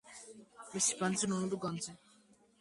შემორჩენილია მოხატულობის ფრაგმენტები.